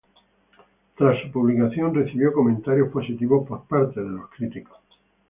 Tras su publicación, recibió comentarios positivos por parte de los críticos.